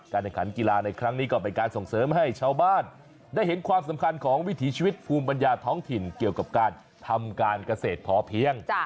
ขันกีฬาในครั้งนี้ก็เป็นการส่งเสริมให้ชาวบ้านได้เห็นความสำคัญของวิถีชีวิตภูมิปัญญาท้องถิ่นเกี่ยวกับการทำการเกษตรพอเพียง